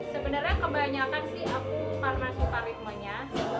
sebenarnya kebanyakan sih aku parma sifar ritmenya